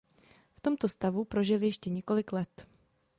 V tomto stavu prožil ještě několik let.